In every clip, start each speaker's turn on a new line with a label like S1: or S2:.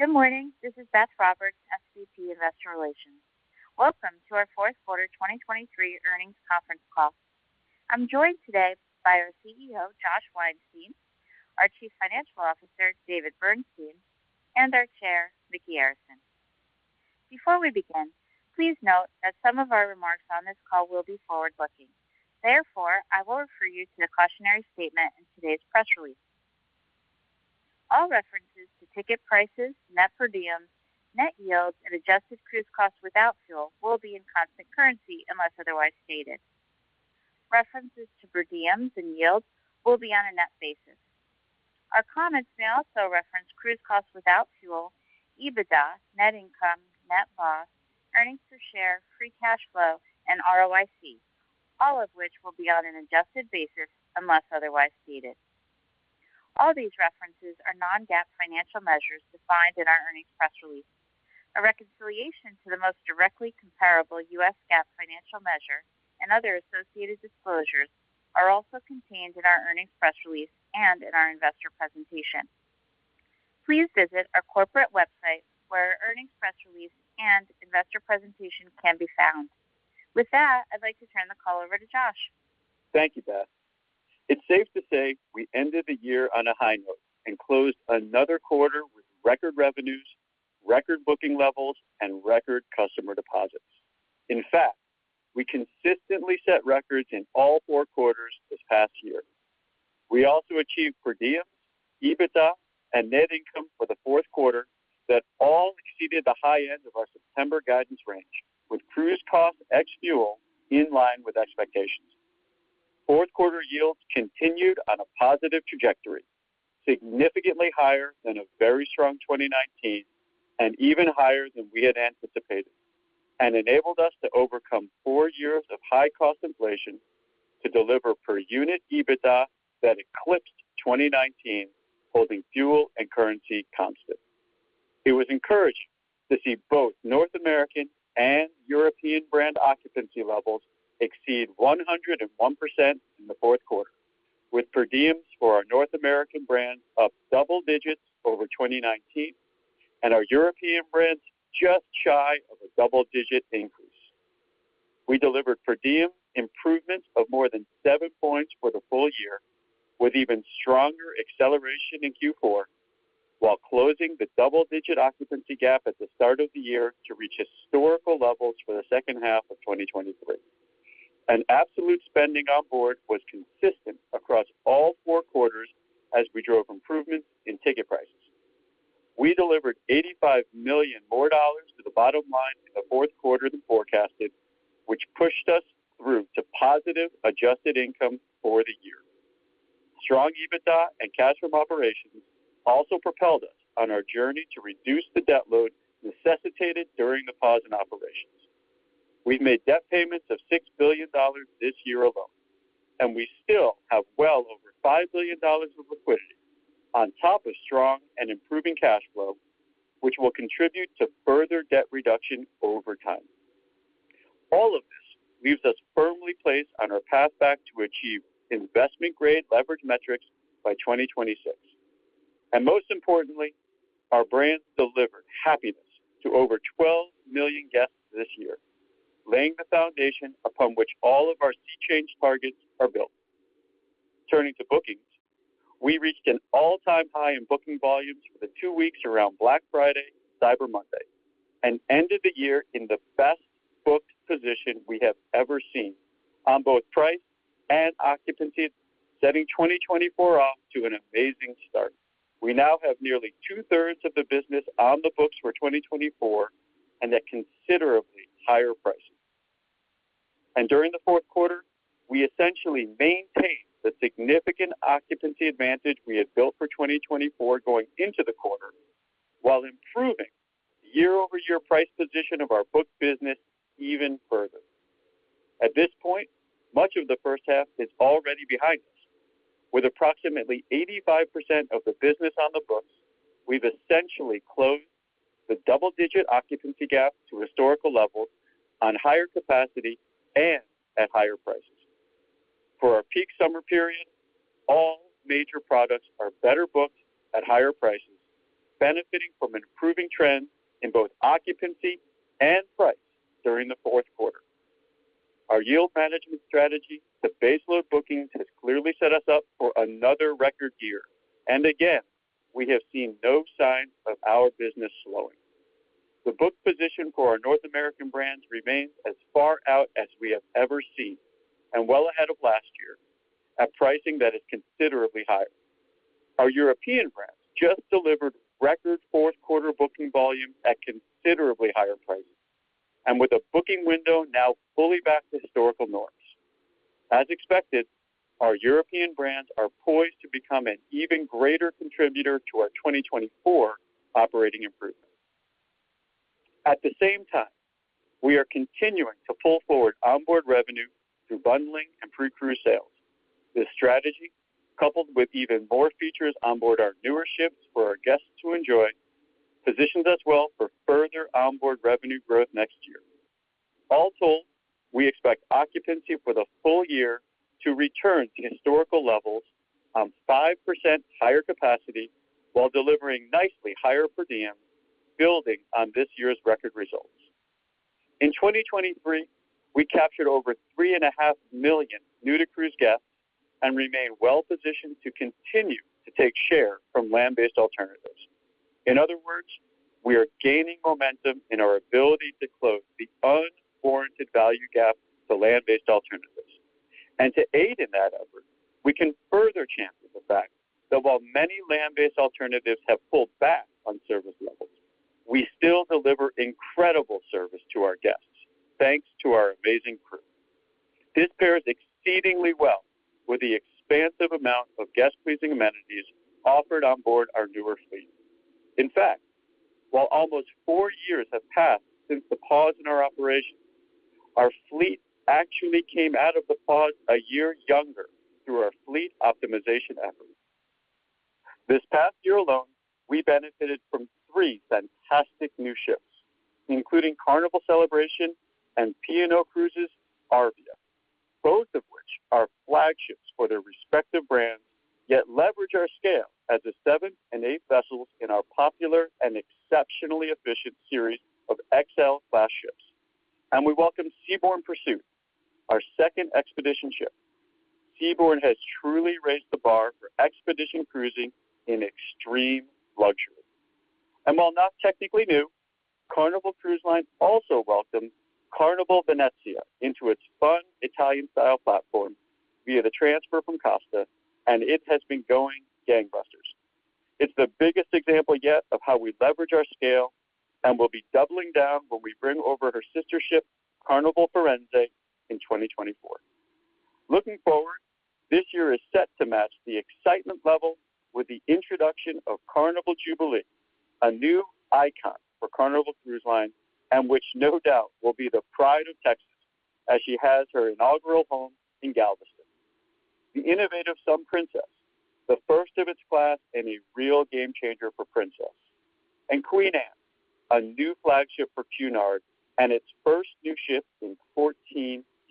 S1: Good morning, this is Beth Roberts, SVP Investor Relations. Welcome to our fourth quarter 2023 earnings conference call. I'm joined today by our CEO, Josh Weinstein, our Chief Financial Officer, David Bernstein, and our Chair, Micky Arison. Before we begin, please note that some of our remarks on this call will be forward-looking. Therefore, I will refer you to the cautionary statement in today's press release. All references to ticket prices, net per diem, net yields, and adjusted cruise costs without fuel will be in constant currency unless otherwise stated. References to per diems and yields will be on a net basis. Our comments may also reference cruise costs without fuel, EBITDA, net income, net loss, earnings per share, free cash flow, and ROIC, all of which will be on an adjusted basis unless otherwise stated. All these references are non-GAAP financial measures defined in our earnings press release. A reconciliation to the most directly comparable U.S. GAAP financial measure and other associated disclosures are also contained in our earnings press release and in our investor presentation. Please visit our corporate website where our earnings press release and investor presentation can be found. With that, I'd like to turn the call over to Josh.
S2: Thank you, Beth. It's safe to say we ended the year on a high note and closed another quarter with record revenues, record booking levels, and record customer deposits. In fact, we consistently set records in all four quarters this past year. We also achieved per diems, EBITDA, and net income for the fourth quarter that all exceeded the high end of our September guidance range, with cruise costs ex-fuel in line with expectations. Fourth quarter yields continued on a positive trajectory, significantly higher than a very strong 2019 and even higher than we had anticipated, and enabled us to overcome four years of high-cost inflation to deliver per unit EBITDA that eclipsed 2019 holding fuel and currency constant. It was encouraging to see both North American and European brand occupancy levels exceed 101% in the fourth quarter, with per diems for our North American brands up double digits over 2019 and our European brands just shy of a double-digit increase. We delivered per diem improvements of more than seven points for the full year, with even stronger acceleration in Q4 while closing the double-digit occupancy gap at the start of the year to reach historical levels for the second half of 2023. And absolute spending on board was consistent across all four quarters as we drove improvements in ticket prices. We delivered $85 million more to the bottom line in the fourth quarter than forecasted, which pushed us through to positive adjusted income for the year. Strong EBITDA and cash from operations also propelled us on our journey to reduce the debt load necessitated during the pause in operations. We've made debt payments of $6 billion this year alone, and we still have well over $5 billion of liquidity on top of strong and improving cash flow, which will contribute to further debt reduction over time. All of this leaves us firmly placed on our path back to achieve investment-grade leverage metrics by 2026. And most importantly, our brands delivered happiness to over 12 million guests this year, laying the foundation upon which all of our SEA Change targets are built. Turning to bookings, we reached an all-time high in booking volumes for the two weeks around Black Friday and Cyber Monday, and ended the year in the best-booked position we have ever seen on both price and occupancy, setting 2024 off to an amazing start. We now have nearly two-thirds of the business on the books for 2024 and at considerably higher prices. During the fourth quarter, we essentially maintained the significant occupancy advantage we had built for 2024 going into the quarter while improving the year-over-year price position of our booked business even further. At this point, much of the first half is already behind us. With approximately 85% of the business on the books, we've essentially closed the double-digit occupancy gap to historical levels on higher capacity and at higher prices. For our peak summer period, all major products are better booked at higher prices, benefiting from an improving trend in both occupancy and price during the fourth quarter. Our yield management strategy to base-load bookings has clearly set us up for another record year, and again, we have seen no signs of our business slowing. The booked position for our North American brands remains as far out as we have ever seen and well ahead of last year, at pricing that is considerably higher. Our European brands just delivered record fourth-quarter booking volumes at considerably higher prices, and with a booking window now fully back to historical norms. As expected, our European brands are poised to become an even greater contributor to our 2024 operating improvements. At the same time, we are continuing to pull forward onboard revenue through bundling and pre-cruise sales. This strategy, coupled with even more features onboard our newer ships for our guests to enjoy, positions us well for further onboard revenue growth next year. All told, we expect occupancy for the full year to return to historical levels on 5% higher capacity while delivering nicely higher per diem, building on this year's record results. In 2023, we captured over 3.5 million New-to-Cruise guests and remain well-positioned to continue to take share from land-based alternatives. In other words, we are gaining momentum in our ability to close the unwarranted value gap to land-based alternatives. To aid in that effort, we can further chant the fact that while many land-based alternatives have pulled back on service levels, we still deliver incredible service to our guests, thanks to our amazing crew. This pairs exceedingly well with the expansive amount of guest-pleasing amenities offered onboard our newer fleet. In fact, while almost four years have passed since the pause in our operations, our fleet actually came out of the pause a year younger through our fleet optimization efforts. This past year alone, we benefited from three fantastic new ships, including Carnival Celebration and P&O Cruises Arvia, both of which are flagships for their respective brands yet leverage our scale as the seventh and eighth vessels in our popular and exceptionally efficient series of XL-class ships. We welcome Seabourn Pursuit, our second expedition ship. Seabourn has truly raised the bar for expedition cruising in extreme luxury. While not technically new, Carnival Cruise Line also welcomed Carnival Venezia into its Fun Italian Style platform via the transfer from Costa, and it has been going gangbusters. It's the biggest example yet of how we leverage our scale and will be doubling down when we bring over her sister ship, Carnival Firenze, in 2024. Looking forward, this year is set to match the excitement level with the introduction of Carnival Jubilee, a new icon for Carnival Cruise Line and which no doubt will be the pride of Texas as she has her inaugural home in Galveston. The innovative Sun Princess, the first of its class and a real game-changer for Princess. Queen Anne, a new flagship for Cunard and its first new ship in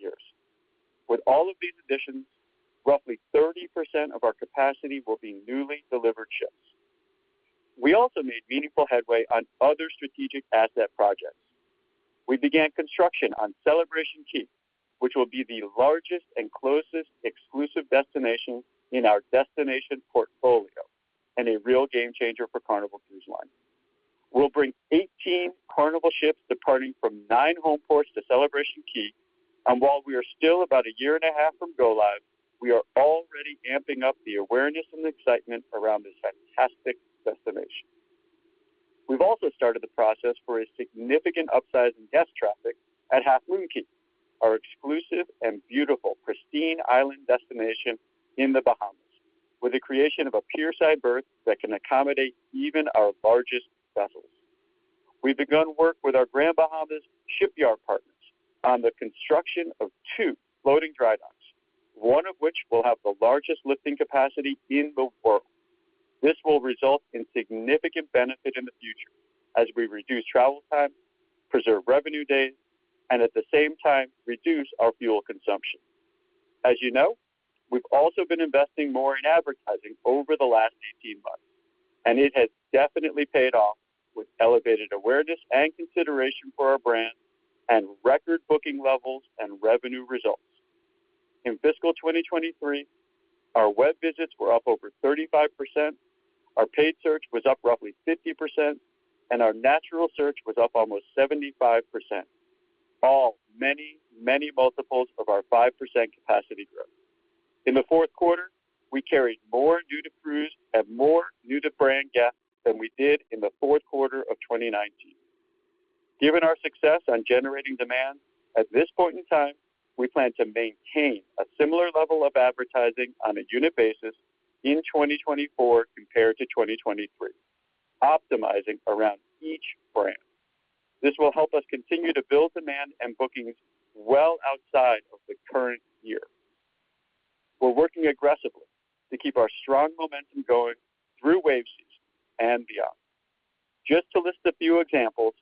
S2: 14 years. With all of these additions, roughly 30% of our capacity will be newly delivered ships. We also made meaningful headway on other strategic asset projects. We began construction on Celebration Key, which will be the largest and closest exclusive destination in our destination portfolio and a real game-changer for Carnival Cruise Line. We'll bring 18 Carnival ships departing from nine home ports to Celebration Key, and while we are still about a year and a half from go-live, we are already amping up the awareness and the excitement around this fantastic destination. We've also started the process for a significant upsize in guest traffic at Half Moon Cay, our exclusive and beautiful, pristine island destination in the Bahamas, with the creation of a pier-side berth that can accommodate even our largest vessels. We've begun work with our Grand Bahama Shipyard partners on the construction of two floating dry docks, one of which will have the largest lifting capacity in the world. This will result in significant benefit in the future as we reduce travel time, preserve revenue days, and at the same time reduce our fuel consumption. As you know, we've also been investing more in advertising over the last 18 months, and it has definitely paid off with elevated awareness and consideration for our brand and record booking levels and revenue results. In fiscal 2023, our web visits were up over 35%, our paid search was up roughly 50%, and our natural search was up almost 75%, all many, many multiples of our 5% capacity growth. In the fourth quarter, we carried more new-to-cruise and more new-to-brand guests than we did in the fourth quarter of 2019. Given our success on generating demand, at this point in time, we plan to maintain a similar level of advertising on a unit basis in 2024 compared to 2023, optimizing around each brand. This will help us continue to build demand and bookings well outside of the current year. We're working aggressively to keep our strong momentum going through wave season and beyond. Just to list a few examples,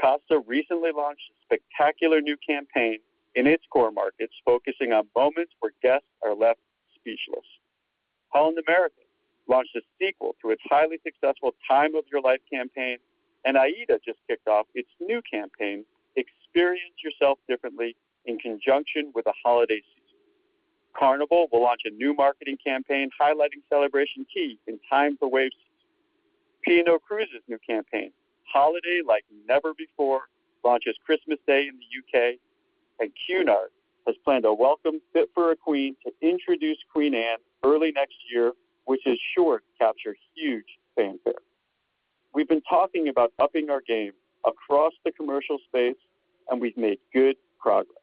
S2: Costa recently launched a spectacular new campaign in its core markets focusing on moments where guests are left speechless. Holland America launched a sequel to its highly successful Time of Your Life campaign, and AIDA just kicked off its new campaign, Experience Yourself Differently, in conjunction with the holiday season. Carnival will launch a new marketing campaign highlighting Celebration Key in time for wave season. P&O Cruises' new campaign, Holiday Like Never Before, launches Christmas Day in the UK, and Cunard has planned a welcome fit-for-a-queen to introduce Queen Anne early next year, which is sure to capture huge fanfare. We've been talking about upping our game across the commercial space, and we've made good progress.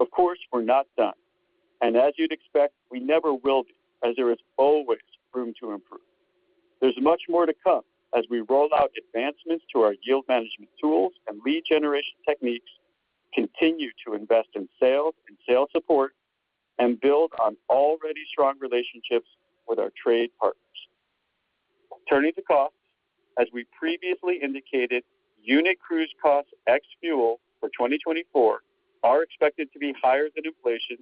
S2: Of course, we're not done, and as you'd expect, we never will be as there is always room to improve. There's much more to come as we roll out advancements to our yield management tools and lead generation techniques, continue to invest in sales and sales support, and build on already strong relationships with our trade partners. Turning to costs, as we previously indicated, unit cruise costs ex-fuel for 2024 are expected to be higher than inflation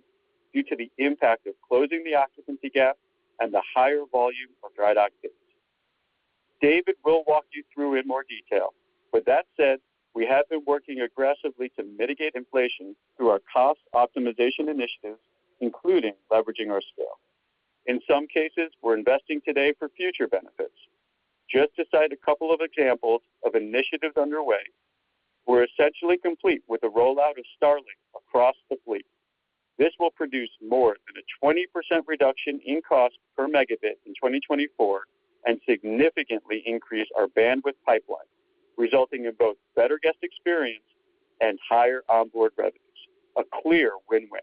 S2: due to the impact of closing the occupancy gap and the higher volume of dry dock days. David will walk you through in more detail. With that said, we have been working aggressively to mitigate inflation through our cost optimization initiatives, including leveraging our scale. In some cases, we're investing today for future benefits. Just to cite a couple of examples of initiatives underway, we're essentially complete with the rollout of Starlink across the fleet. This will produce more than a 20% reduction in cost per megabit in 2024 and significantly increase our bandwidth pipeline, resulting in both better guest experience and higher onboard revenues, a clear win-win.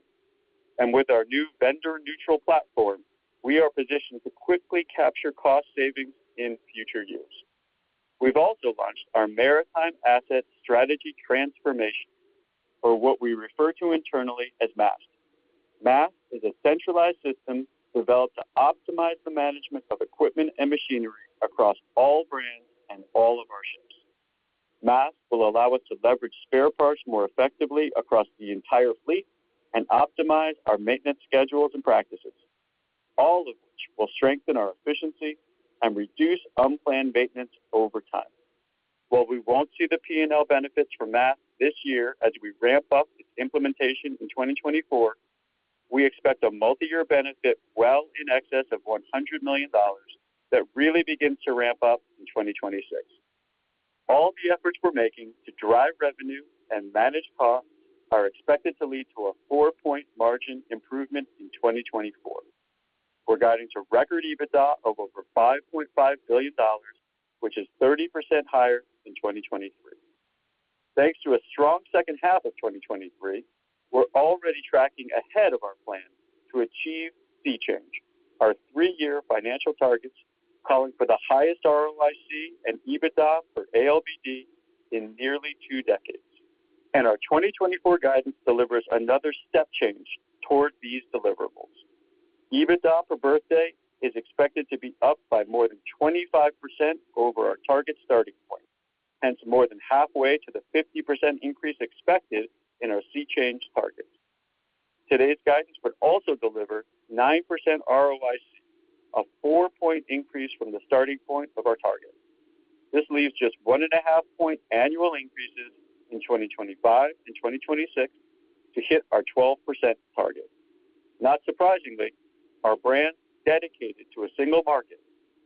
S2: And with our new vendor-neutral platform, we are positioned to quickly capture cost savings in future years. We've also launched our Maritime Asset Strategy Transformation, or what we refer to internally as MAST. MAST is a centralized system developed to optimize the management of equipment and machinery across all brands and all of our ships. MAST will allow us to leverage spare parts more effectively across the entire fleet and optimize our maintenance schedules and practices, all of which will strengthen our efficiency and reduce unplanned maintenance over time. While we won't see the P&L benefits from MAST this year as we ramp up its implementation in 2024, we expect a multi-year benefit well in excess of $100 million that really begins to ramp up in 2026. All the efforts we're making to drive revenue and manage costs are expected to lead to a four point margin improvement in 2024, resulting in record EBITDA of over $5.5 billion, which is 30% higher than 2023. Thanks to a strong second half of 2023, we're already tracking ahead of our plan to achieve SEA Change, our three-year financial targets calling for the highest ROIC and EBITDA for ALBD in nearly two decades, and our 2024 guidance delivers another step change toward these deliverables. EBITDA per ALBD is expected to be up by more than 25% over our target starting point, hence more than halfway to the 50% increase expected in our SEA Change targets. Today's guidance would also deliver 9% ROIC, a four point increase from the starting point of our target. This leaves just one and half point annual increases in 2025 and 2026 to hit our 12% target. Not surprisingly, our brands dedicated to a single market,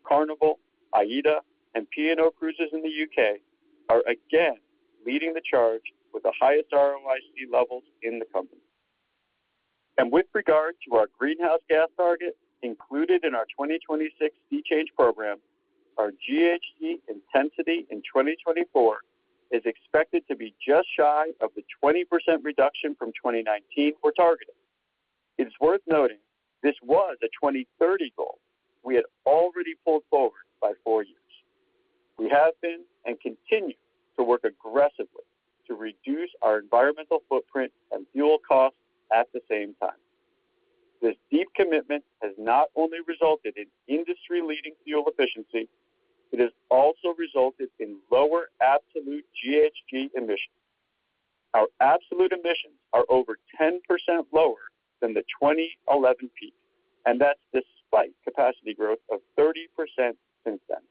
S2: Carnival, AIDA, and P&O Cruises in the UK, are again leading the charge with the highest ROIC levels in the company. With regard to our greenhouse gas target included in our 2026 SEA Change program, our GHG intensity in 2024 is expected to be just shy of the 20% reduction from 2019 we're targeting. It's worth noting this was a 2030 goal we had already pulled forward by four years. We have been and continue to work aggressively to reduce our environmental footprint and fuel costs at the same time. This deep commitment has not only resulted in industry-leading fuel efficiency, it has also resulted in lower absolute GHG emissions. Our absolute emissions are over 10% lower than the 2011 peak, and that's despite capacity growth of 30% since then.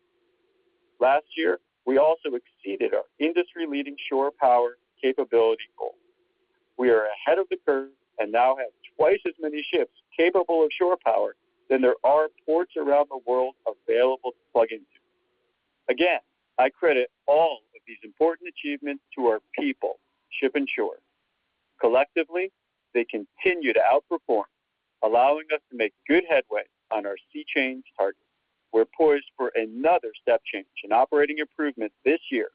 S2: Last year, we also exceeded our industry-leading shore power capability goal. We are ahead of the curve and now have twice as many ships capable of shore power than there are ports around the world available to plug into. Again, I credit all of these important achievements to our people, ship and shore. Collectively, they continue to outperform, allowing us to make good headway on our SEA Change target. We're poised for another step change in operating improvement this year,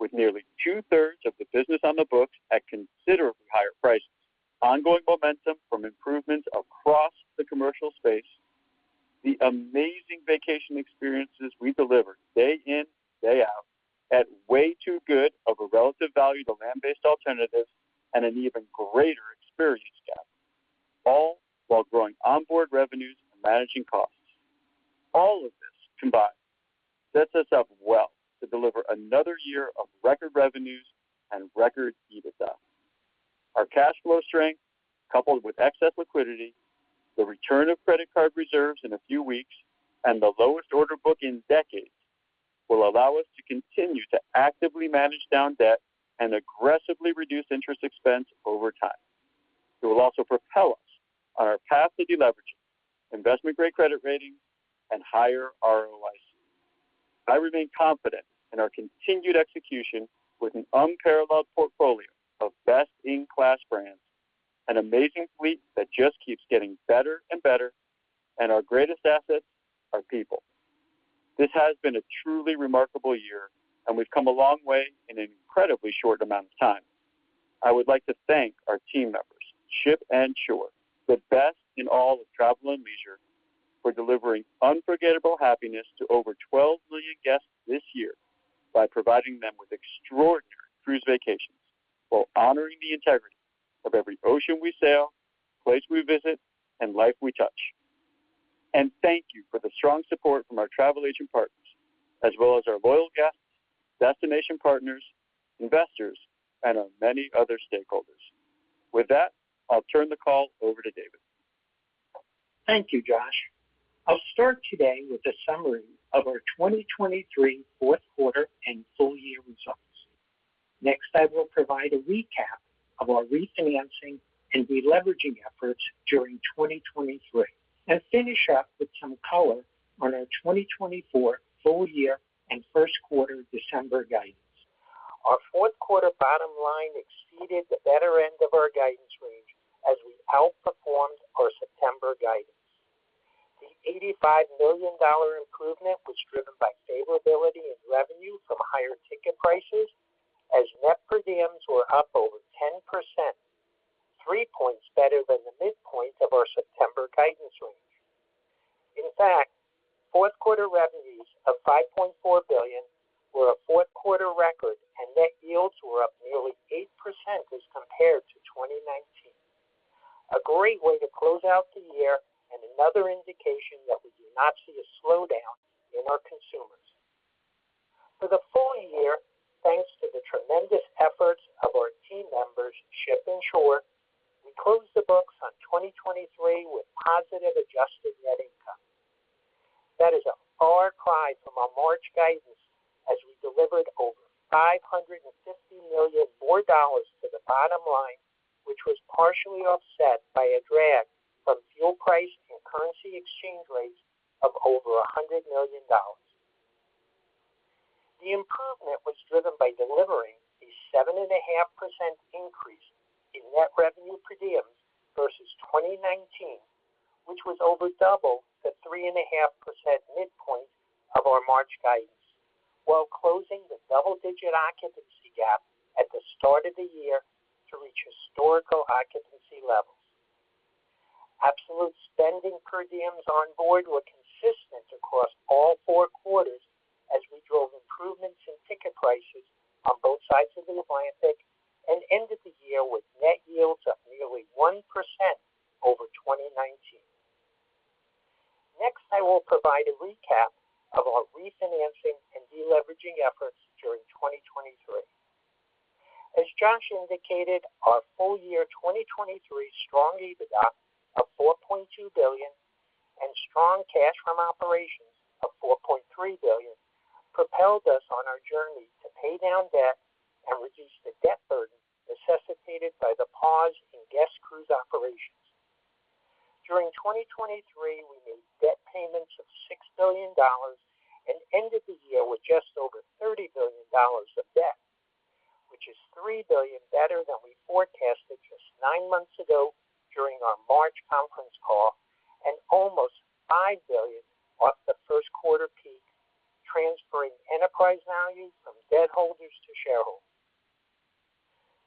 S2: with nearly two-thirds of the business on the books at considerably higher prices, ongoing momentum from improvements across the commercial space, the amazing vacation experiences we delivered day in, day out, at way too good of a relative value to land-based alternatives, and an even greater experience gap, all while growing onboard revenues and managing costs. All of this combined sets us up well to deliver another year of record revenues and record EBITDA. Our cash flow strength, coupled with excess liquidity, the return of credit card reserves in a few weeks, and the lowest order book in decades, will allow us to continue to actively manage down debt and aggressively reduce interest expense over time. It will also propel us on our path to deleveraging, investment-grade credit ratings, and higher ROIC. I remain confident in our continued execution with an unparalleled portfolio of best-in-class brands, an amazing fleet that just keeps getting better and better, and our greatest assets are people. This has been a truly remarkable year, and we've come a long way in an incredibly short amount of time. I would like to thank our team members, ship and shore, the best in all of travel and leisure, for delivering unforgettable happiness to over 12 million guests this year by providing them with extraordinary cruise vacations while honoring the integrity of every ocean we sail, place we visit, and life we touch. And thank you for the strong support from our travel agent partners, as well as our loyal guests, destination partners, investors, and our many other stakeholders. With that, I'll turn the call over to David.
S3: Thank you, Josh. I'll start today with a summary of our 2023 fourth quarter and full-year results. Next, I will provide a recap of our refinancing and deleveraging efforts during 2023 and finish up with some color on our 2024 full-year and first quarter December guidance. Our fourth quarter bottom line exceeded the better end of our guidance range as we outperformed our September guidance. The $85 million improvement was driven by favorability in revenue from higher ticket prices as net per diems were up over 10%, three points better than the midpoint of our September guidance range. In fact, fourth quarter revenues of $5.4 billion were a fourth quarter record, and net yields were up nearly 8% as compared to 2019, a great way to close out the year and another indication that we do not see a slowdown in our consumers. For the full year, thanks to the tremendous efforts of our team members, ship and shore, we closed the books on 2023 with positive adjusted net income. That is a far cry from our March guidance as we delivered over $550 million more dollars to the bottom line, which was partially offset by a drag from fuel price and currency exchange rates of over $100 million. The improvement was driven by delivering a 7.5% increase in net revenue per diems versus 2019, which was over double the 3.5% midpoint of our March guidance, while closing the double-digit occupancy gap at the start of the year to reach historical occupancy levels. Absolute spending per diems onboard were consistent across all four quarters as we drove improvements in ticket prices on both sides of the Atlantic and ended the year with net yields of nearly 1% over 2019. Next, I will provide a recap of our refinancing and deleveraging efforts during 2023. As Josh indicated, our full-year 2023 strong EBITDA of $4.2 billion and strong cash from operations of $4.3 billion propelled us on our journey to pay down debt and reduce the debt burden necessitated by the pause in guest cruise operations. During 2023, we made debt payments of $6 billion and ended the year with just over $30 billion of debt, which is $3 billion better than we forecasted just nine months ago during our March conference call and almost $5 billion off the first quarter peak, transferring enterprise value from debt holders to shareholders.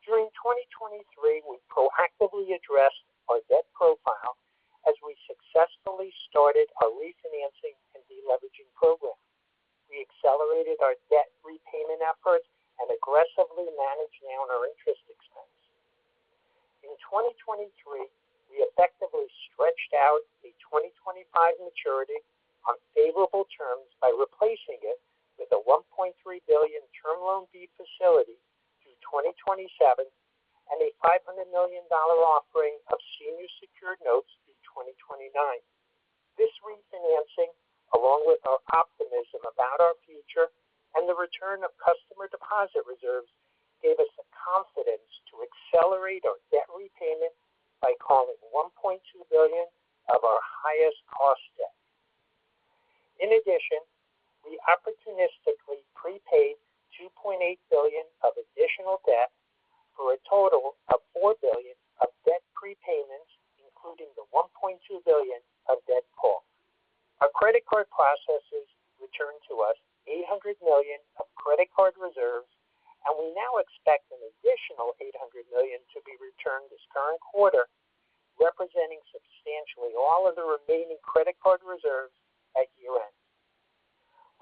S3: During 2023, we proactively addressed our debt profile as we successfully started our refinancing and deleveraging program. We accelerated our debt repayment efforts and aggressively managed down our interest expense. In 2023, we effectively stretched out a 2025 maturity on favorable terms by replacing it with a $1.3 billion Term Loan B facility through 2027 and a $500 million offering of senior secured notes through 2029. This refinancing, along with our optimism about our future and the return of customer deposit reserves, gave us the confidence to accelerate our debt repayment by calling $1.2 billion of our highest cost debt. In addition, we opportunistically prepaid $2.8 billion of additional debt for a total of $4 billion of debt prepayments, including the $1.2 billion of debt call. Our credit card processors returned to us $800 million of credit card reserves, and we now expect an additional $800 million to be returned this current quarter, representing substantially all of the remaining credit card reserves at year-end.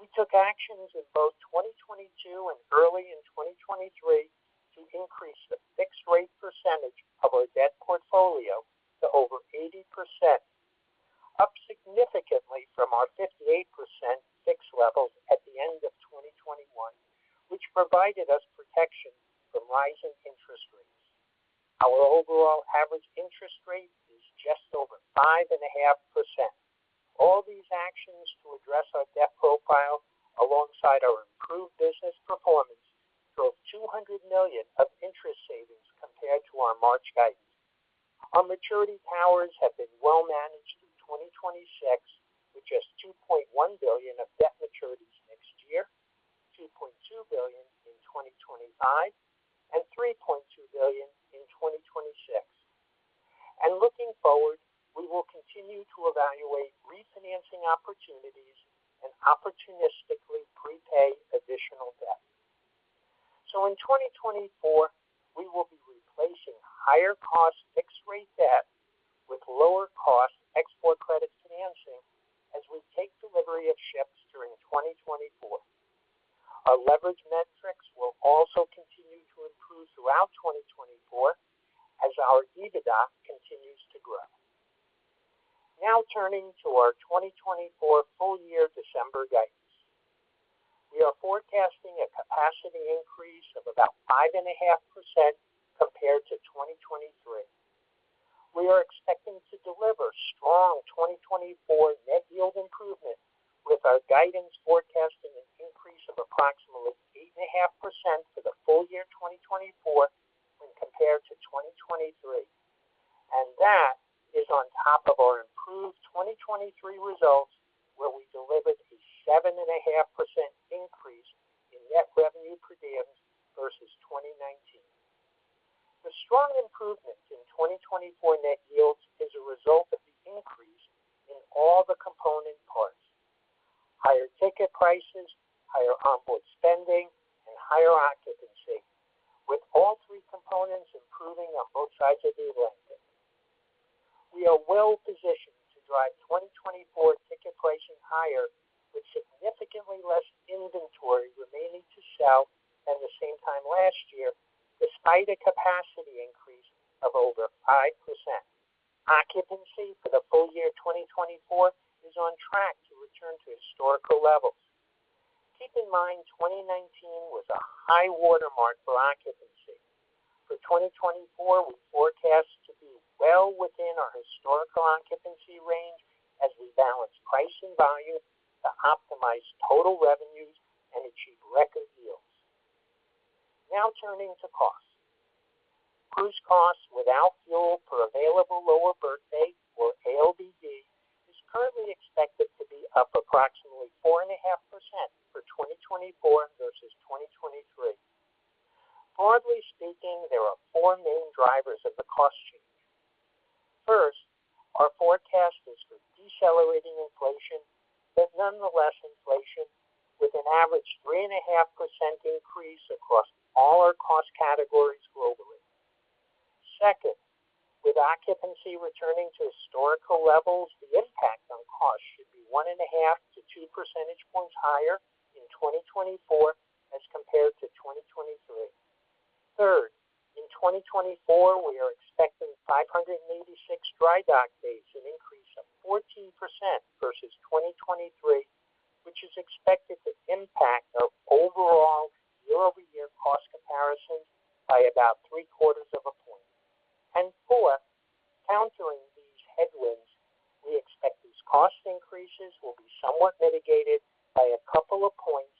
S3: We took actions in both 2022 and early in 2023 to increase the fixed-rate percentage of our debt portfolio to over 80%, up significantly from our 58% fixed levels at the end of 2021, which provided us protection from rising interest rates. Our overall average interest rate is just over 5.5%. All these actions to address our debt profile alongside our improved business performance drove $200 million of interest savings compared to our March guidance. Our maturity towers have been well managed through 2026 with just $2.1 billion of debt maturities next year, $2.2 billion in 2025, and $3.2 billion in 2026. Looking forward, we will continue to evaluate refinancing opportunities and opportunistically prepay additional debt. In 2024, we will be replacing higher-cost fixed-rate debt with lower-cost export credit financing as we take delivery of ships during 2024. Our leverage metrics will also continue to improve throughout 2024 as our EBITDA continues to grow. Now turning to our 2024 full-year December guidance. We are forecasting a capacity increase of about 5.5% compared to 2023. We are expecting to deliver strong 2024 net yield improvement with our guidance forecasting an increase of approximately 8.5% for the full year 2024 when compared to 2023, and that is on top of our improved 2023 results where we delivered a 7.5% increase in net revenue per diems versus 2019. The strong improvement in 2024 net yields is a result of the increase in all the component parts: higher ticket prices, higher onboard spending, and higher occupancy, with all three components improving on both sides of the Atlantic. We are well positioned to drive 2024 ticket pricing higher with significantly less inventory remaining to sell at the same time last year, despite a capacity increase of over 5%. Occupancy for the full year 2024 is on track to return to historical levels. Keep in mind 2019 was a high watermark for occupancy. For 2024, we forecast to be well within our historical occupancy range as we balance price and value to optimize total revenues and achieve record yields. Now turning to costs. Cruise costs without fuel per available lower berth day or ALBD is currently expected to be up approximately 4.5% for 2024 versus 2023. Broadly speaking, there are four main drivers of the cost change. First, our forecast is for decelerating inflation, but nonetheless inflation, with an average 3.5% increase across all our cost categories globally. Second, with occupancy returning to historical levels, the impact on costs should be 1.5-2 percentage points higher in 2024 as compared to 2023. Third, in 2024, we are expecting 586 dry dock days to increase of 14% versus 2023, which is expected to impact our overall year-over-year cost comparisons by about three-quarters of a point. And fourth, countering these headwinds, we expect these cost increases will be somewhat mitigated by a couple of points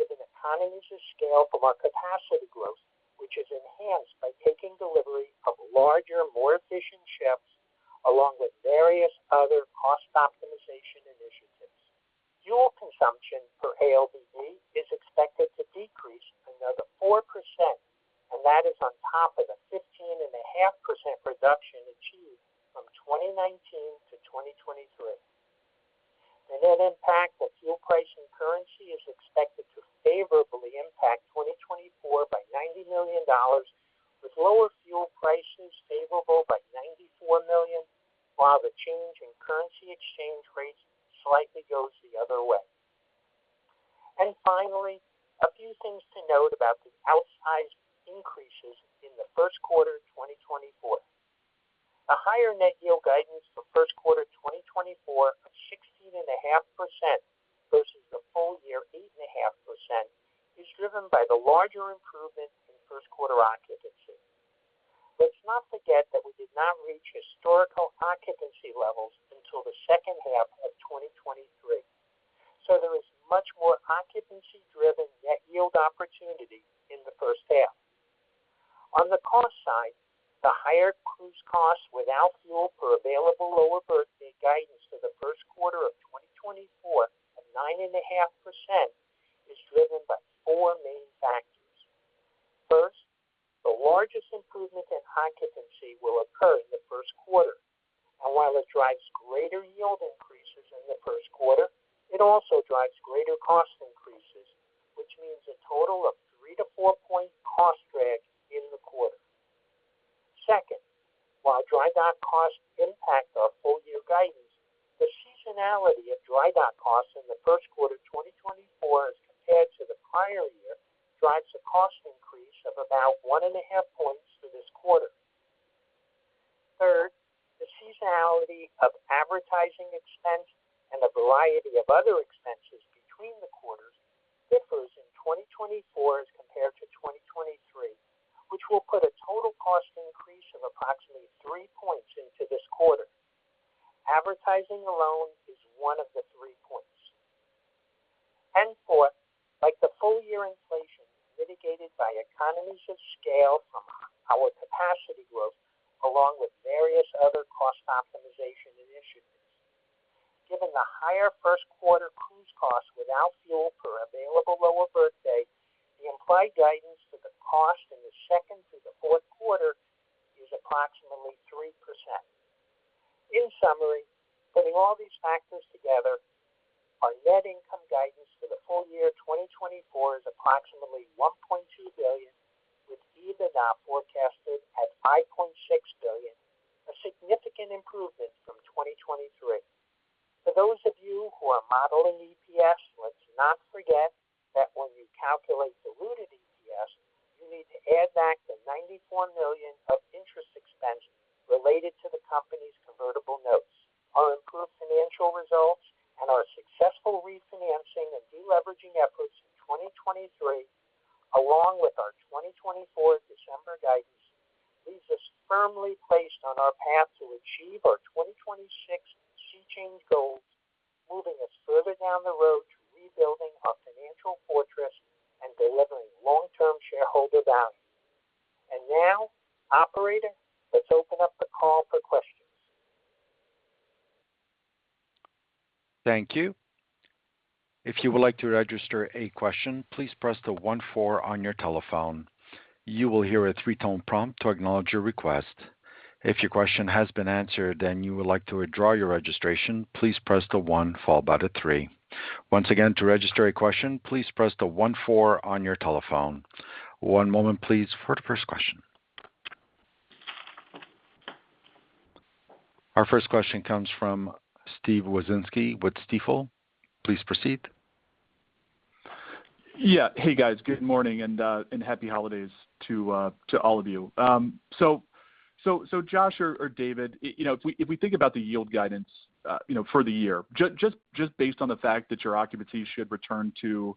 S3: given economies of scale from our capacity growth, which is enhanced by taking delivery of larger, more efficient ships along with various other cost optimization initiatives. Fuel consumption per ALBD is expected to decrease another 4%, and that is on top of the 15.5% reduction achieved from 2019-2023. The net impact of fuel price and currency is expected to favorably impact 2024 by $90 million, with lower fuel prices favorable by $94 million while the change in currency exchange rates slightly goes the other way. Finally, a few things to note about the outsized increases in the first quarter 2024. The higher net yield guidance for first quarter 2024 of 16.5% versus the full year 8.5% is driven by the larger improvement in first quarter occupancy. Let's not forget that we did not reach historical occupancy levels until the second half of 2023, so there is much more occupancy-driven net yield opportunity in the first half. On the cost side, the higher cruise costs without fuel per available lower berth day guidance for the first quarter of 2024 of 9.5% is driven by four main factors. First, the largest improvement in occupancy will occur in the first quarter, and while it drives greater yield increases in the first quarter, it also drives greater cost increases, which means a total of three to four-point cost drag in the quarter. Second, while Dry Dock costs impact our full-year guidance, the seasonality of Dry Dock costs in the first quarter 2024 as compared to the prior year drives a cost increase of about 1.5 points for this quarter. Third, the seasonality of advertising expense and a variety of other expenses between the quarters differs in 2024 as compared to 2023, which will put a total cost increase of approximately three points into this quarter. Advertising alone is one of the three points. And fourth, like the full-year inflation, mitigated by economies of scale from our capacity growth along with various other cost optimization initiatives. Given the higher first quarter cruise costs without fuel per available lower
S4: Yeah. Hey, guys. Good morning and happy holidays to all of you. So, Josh or David, if we think about the yield guidance for the year, just based on the fact that your occupancy should return to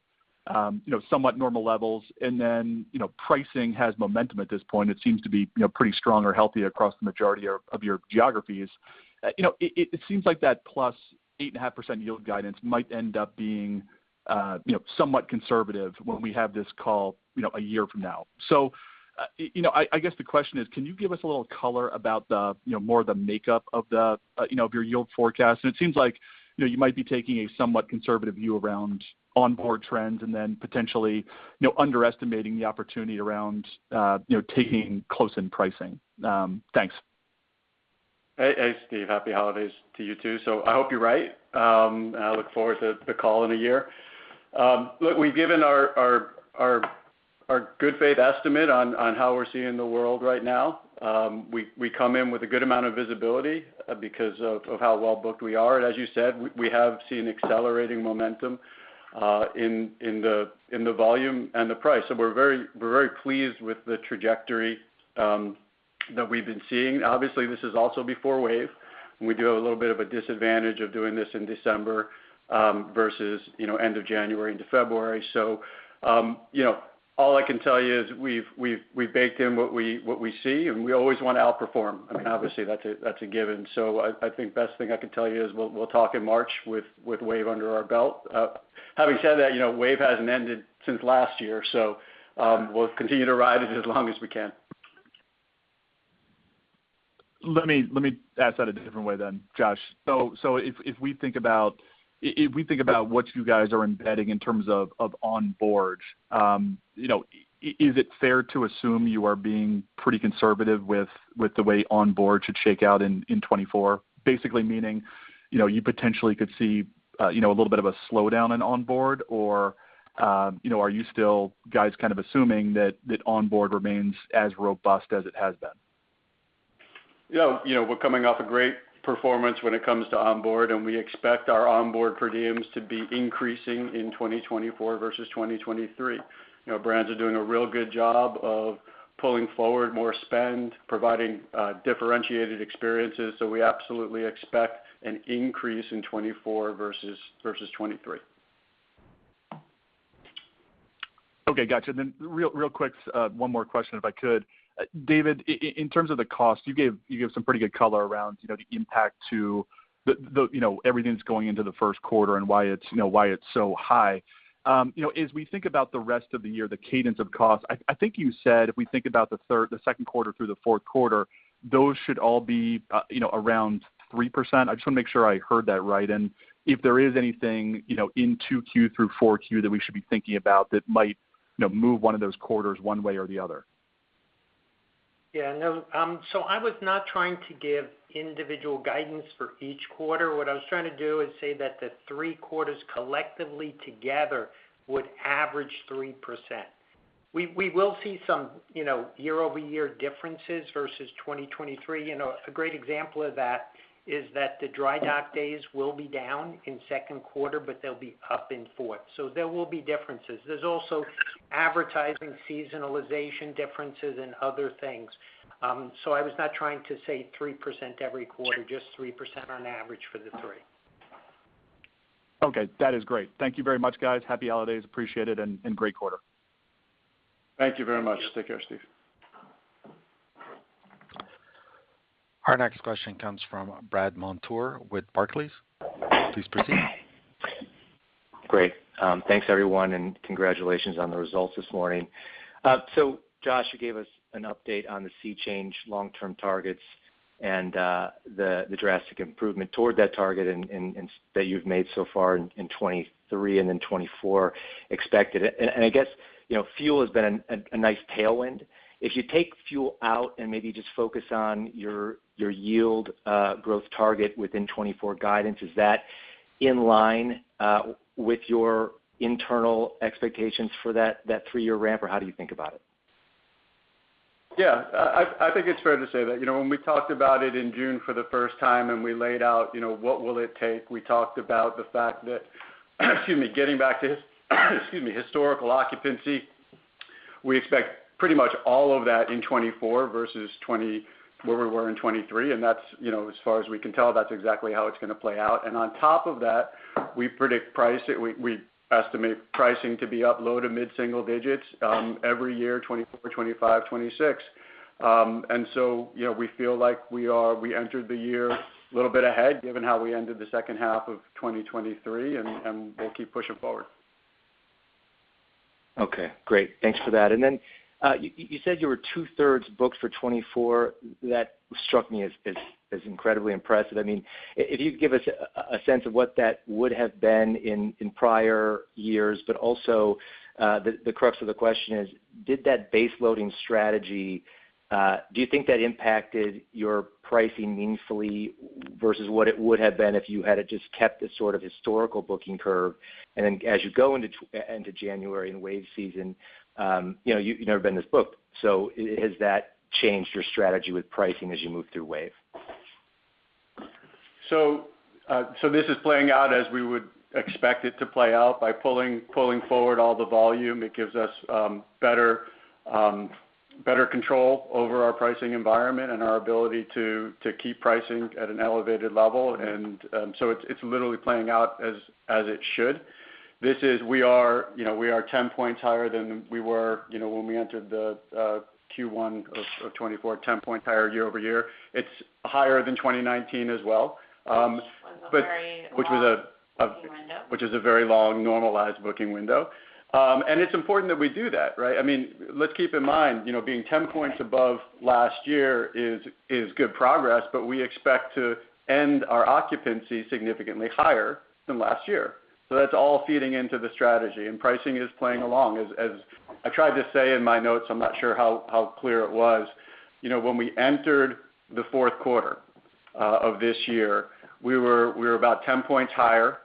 S4: somewhat normal levels and then pricing has momentum at this point, it seems to be pretty strong or healthy across the majority of your geographies. It seems like that plus 8.5% yield guidance might end up being somewhat conservative when we have this call a year from now. So I guess the question is, can you give us a little color about more of the makeup of your yield forecast? And it seems like you might be taking a somewhat conservative view around onboard trends and then potentially underestimating the opportunity around taking close-in pricing. Thanks.
S2: Hey, Steve. Happy holidays to you too. So I hope you're right. I look forward to the call in a year. Look, we've given our good faith estimate on how we're seeing the world right now. We come in with a good amount of visibility because of how well booked we are. And as you said, we have seen accelerating momentum in the volume and the price. So we're very pleased with the trajectory that we've been seeing. Obviously, this is also before Wave. We do have a little bit of a disadvantage of doing this in December versus end of January into February. So all I can tell you is we've baked in what we see, and we always want to outperform. I mean, obviously, that's a given. So I think the best thing I can tell you is we'll talk in March with Wave under our belt. Having said that, Wave hasn't ended since last year, so we'll continue to ride it as long as we can.
S4: Let me ask that a different way then, Josh. So if we think about if we think about what you guys are embedding in terms of onboard, is it fair to assume you are being pretty conservative with the way onboard should shake out in 2024? Basically meaning you potentially could see a little bit of a slowdown in onboard, or are you still guys kind of assuming that onboard remains as robust as it has been?
S2: We're coming off a great performance when it comes to onboard, and we expect our onboard per diems to be increasing in 2024 versus 2023. Brands are doing a real good job of pulling forward more spend, providing differentiated experiences. So we absolutely expect an increase in 2024 versus 2023.
S4: Okay. Gotcha. And then real quick, one more question if I could. David, in terms of the cost, you gave some pretty good color around the impact to everything that's going into the first quarter and why it's so high. As we think about the rest of the year, the cadence of costs, I think you said if we think about the second quarter through the fourth quarter, those should all be around 3%. I just want to make sure I heard that right. And if there is anything in 2Q through 4Q that we should be thinking about that might move one of those quarters one way or the other.
S3: Yeah. So I was not trying to give individual guidance for each quarter. What I was trying to do is say that the three quarters collectively together would average 3%. We will see some year-over-year differences versus 2023. A great example of that is that the dry dock days will be down in second quarter, but they'll be up in fourth. So there will be differences. There's also advertising seasonalization differences and other things. So I was not trying to say 3% every quarter, just 3% on average for the three.
S4: Okay. That is great. Thank you very much, guys. Happy holidays. Appreciate it and great quarter.
S2: Thank you very much. Take care, Steve.
S5: Our next question comes from Brandt Montour with Barclays. Please proceed.
S6: Great. Thanks, everyone, and congratulations on the results this morning. So, Josh, you gave us an update on the SEA Change long-term targets and the drastic improvement toward that target that you've made so far in 2023 and then 2024 expected. I guess fuel has been a nice tailwind. If you take fuel out and maybe just focus on your yield growth target within 2024 guidance, is that in line with your internal expectations for that three-year ramp, or how do you think about it?
S2: Yeah. I think it's fair to say that when we talked about it in June for the first time and we laid out what will it take, we talked about the fact that getting back to historical occupancy, we expect pretty much all of that in 2024 versus where we were in 2023. As far as we can tell, that's exactly how it's going to play out. On top of that, we estimate pricing to be up low- to mid-single digits every year, 2024, 2025, 2026. So we feel like we entered the year a little bit ahead given how we ended the second half of 2023, and we'll keep pushing forward.
S6: Okay. Great. Thanks for that. And then you said you were two-thirds booked for 2024. That struck me as incredibly impressive. I mean, if you could give us a sense of what that would have been in prior years, but also the crux of the question is, did that base-loading strategy do you think that impacted your pricing meaningfully versus what it would have been if you had just kept this sort of historical booking curve? And then as you go into January and Wave Season, you've never been this booked. So has that changed your strategy with pricing as you move through Wave?
S2: So this is playing out as we would expect it to play out. By pulling forward all the volume, it gives us better control over our pricing environment and our ability to keep pricing at an elevated level. And so it's literally playing out as it should. We are 10 points higher than we were when we entered the Q1 of 2024, 10 points higher year-over-year. It's higher than 2019 as well, which was a very long normalized booking window. And it's important that we do that, right? I mean, let's keep in mind being 10 points above last year is good progress, but we expect to end our occupancy significantly higher than last year. So that's all feeding into the strategy, and pricing is playing along. As I tried to say in my notes, I'm not sure how clear it was. When we entered the fourth quarter of this year, we were about 10 points higher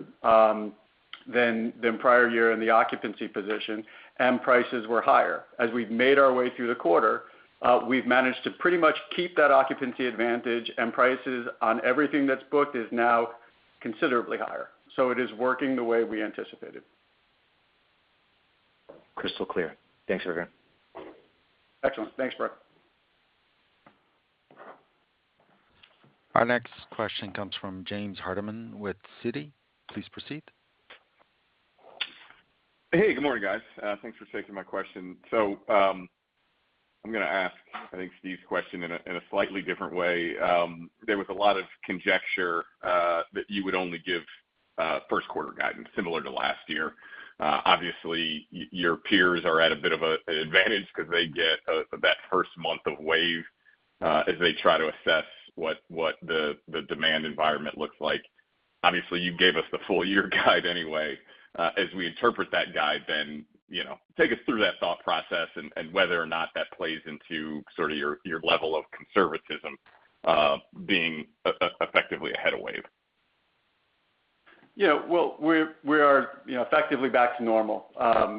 S2: than prior year in the occupancy position, and prices were higher. As we've made our way through the quarter, we've managed to pretty much keep that occupancy advantage, and prices on everything that's booked is now considerably higher. So it is working the way we anticipated.
S6: Crystal clear. Thanks, everyone.
S2: Excellent. Thanks, Brooke.
S5: Our next question comes from James Hardiman with Citi. Please proceed.
S7: Hey. Good morning, guys. Thanks for taking my question. So I'm going to ask, I think, Steve's question in a slightly different way. There was a lot of conjecture that you would only give first-quarter guidance similar to last year. Obviously, your peers are at a bit of an advantage because they get that first month of Wave as they try to assess what the demand environment looks like. Obviously, you gave us the full-year guide anyway. As we interpret that guide, then take us through that thought process and whether or not that plays into sort of your level of conservatism being effectively ahead of Wave.
S2: Yeah. Well, we are effectively back to normal.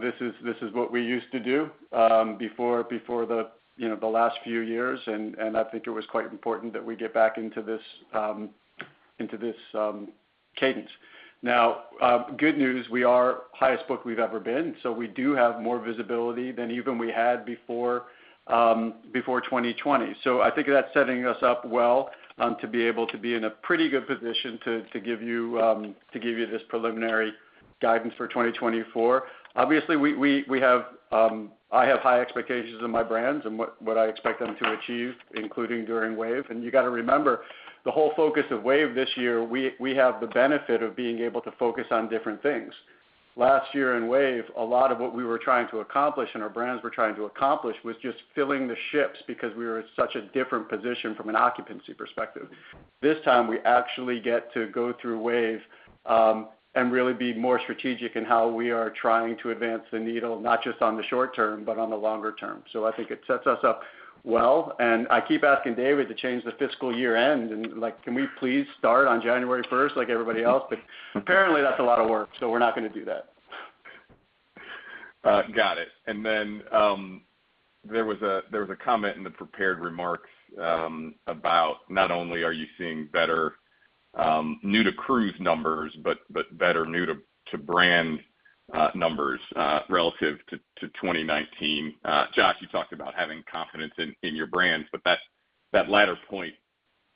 S2: This is what we used to do before the last few years, and I think it was quite important that we get back into this cadence. Now, good news, we are highest booked we've ever been, so we do have more visibility than even we had before 2020. So I think that's setting us up well to be able to be in a pretty good position to give you this preliminary guidance for 2024. Obviously, I have high expectations of my brands and what I expect them to achieve, including during Wave. And you got to remember, the whole focus of Wave this year, we have the benefit of being able to focus on different things. Last year in Wave, a lot of what we were trying to accomplish and our brands were trying to accomplish was just filling the ships because we were in such a different position from an occupancy perspective. This time, we actually get to go through Wave and really be more strategic in how we are trying to advance the needle, not just on the short term, but on the longer term. So I think it sets us up well. And I keep asking David to change the fiscal year-end, and can we please start on 1st January like everybody else? But apparently, that's a lot of work, so we're not going to do that.
S7: Got it. And then there was a comment in the prepared remarks about not only are you seeing better new-to-cruise numbers, but better new-to-brand numbers relative to 2019. Josh, you talked about having confidence in your brands, but that latter point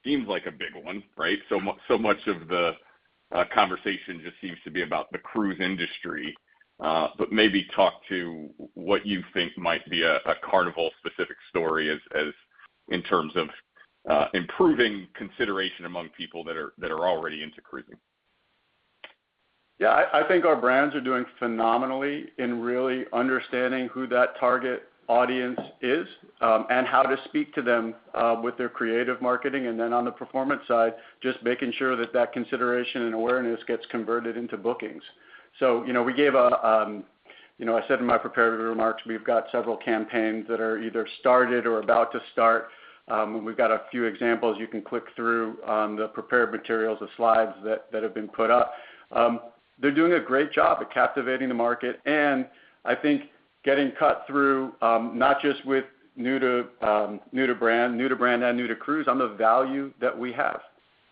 S7: seems like a big one, right? So much of the conversation just seems to be about the cruise industry. But maybe talk to what you think might be a Carnival-specific story in terms of improving consideration among people that are already into cruising.
S2: Yeah. I think our brands are doing phenomenally in really understanding who that target audience is and how to speak to them with their creative marketing. And then on the performance side, just making sure that that consideration and awareness gets converted into bookings. So, as I said in my prepared remarks, we've got several campaigns that are either started or about to start. And we've got a few examples you can click through on the prepared materials, the slides that have been put up. They're doing a great job at captivating the market. And I think getting cut through, not just with new-to-brand, new-to-brand, and new-to-cruise, on the value that we have.